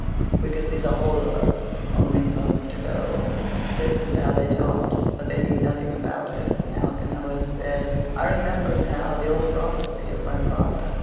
We could see the whole of her only a moment ago." This was how they talked, but they knew nothing about it; and Alcinous said, "I remember now the old prophecy of my father.